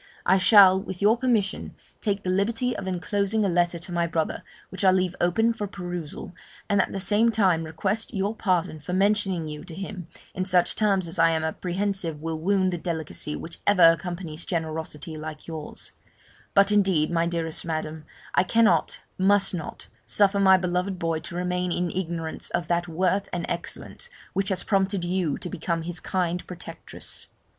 I shall, with your permission, take the liberty of enclosing a letter to my brother, which I leave open for perusal, and at the same time request your pardon for mentioning you to him in such terms as I am apprehensive will wound the delicacy which ever accompanies generosity like yours; but indeed, my dearest Madam, I cannot, must not, suffer my beloved boy to remain in ignorance of that worth and excellence which has prompted you to become his kind protectress.